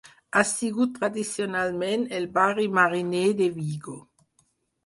Ha sigut tradicionalment el barri mariner de Vigo.